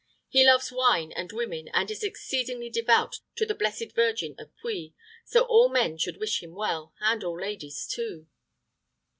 He loves wine and women, and is exceedingly devout to the blessed Virgin of Puy; so all men should wish him well, and all ladies too."